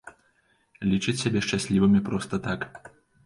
Лічаць сябе шчаслівымі проста так.